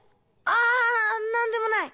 あ何でもない。